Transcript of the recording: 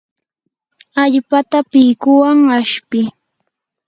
allpata pikuwan ashpii.